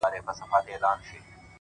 لا به په تا پسي توېږي اوښکي’